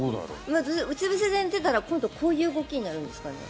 うつぶせで寝ていたら、今度こういう動きになるんですかね？